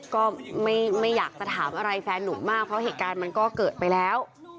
ก็ไม่อยากจะถามอะไรแฟนหนุ่มมากเพราะเหตุการณ์มันก็เกิดไปแล้ว